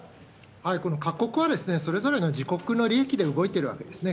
この各国は、それぞれの自国の利益で動いてるわけですね。